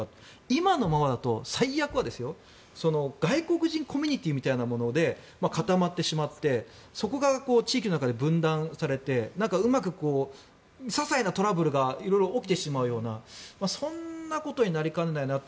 今のままだと、最悪は外国人コミュニティーみたいなもので固まってしまってそこが地域の中で分断されてささいなトラブルが色々起きてしまうようなそんなことになりかねないなと。